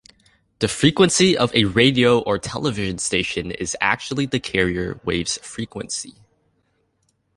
The frequency of a radio or television station is actually the carrier wave's frequency.